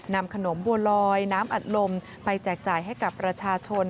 นำขนมบัวลอยน้ำอัดลมไปแจกจ่ายให้กับประชาชน